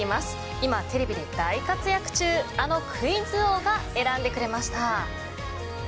今、テレビで大活躍中あのクイズ王が選んでくれました。